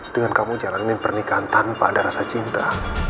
dengan kamu jalanin pernikahan tanpa ada rasa cinta